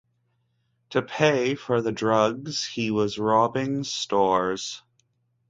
To pay for the drugs he was robbing stores.